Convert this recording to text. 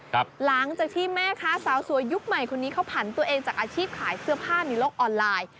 หลังจากที่แม่ค้าสาวสวยยุคใหม่คนนี้เขาผันตัวเองจากอาชีพขายเสื้อผ้าในโลกออนไลน์